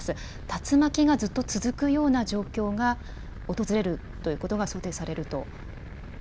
竜巻がずっと続くような状況が訪れるということが想定されると？